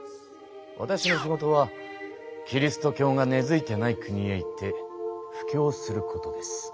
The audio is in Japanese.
わたしの仕事はキリスト教が根づいていない国へ行って布教することです。